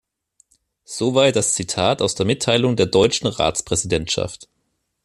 Soweit das Zitat aus der Mitteilung der deutschen Ratspräsidentschaft.